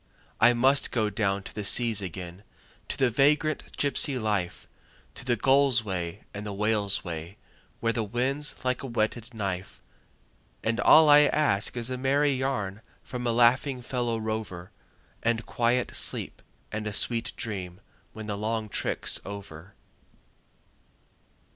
I must go down to the seas again, to the vagrant gypsy life, To the gull's way and the whale's way, where the wind's like a whetted knife; And all I ask is a merry yarn from a laughing fellow rover, And quiet sleep and a sweet dream when the long trick's over.